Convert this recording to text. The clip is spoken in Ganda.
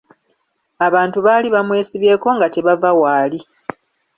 Abantu baali bamwesibyeko nga tebava waali!